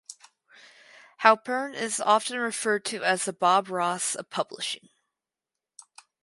Halpern is often referred to as the Bob Ross of Publishing.